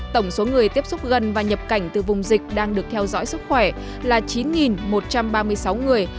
tổng số người tiếp xúc gần và nhập cảnh từ vùng dịch đang được theo dõi sức khỏe là chín một trăm ba mươi sáu người